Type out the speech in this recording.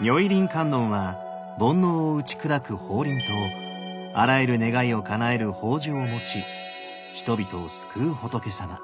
如意輪観音は煩悩を打ち砕く法輪とあらゆる願いをかなえる宝珠を持ち人々を救う仏さま。